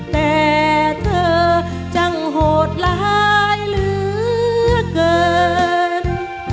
แต่เธอจังโหดร้ายเหลือเกิน